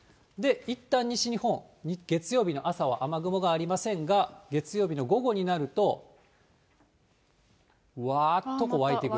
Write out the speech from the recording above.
いったん西日本、月曜日の朝は雨雲がありませんが、月曜日の午後になると、わーっと湧いてくる。